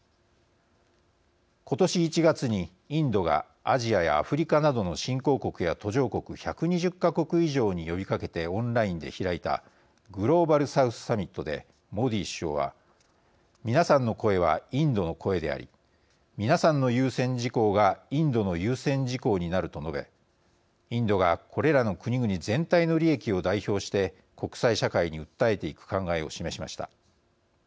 今年１月にインドがアジアやアフリカなどの新興国や途上国１２０か国以上に呼びかけてオンラインで開いたグローバル・サウスサミットでモディ首相は皆さんの声はインドの声であり皆さんの優先事項がインドの優先事項になると述べ、インドがこれらの国々全体の利益を代表して国際社会に訴えていく考えを示しました。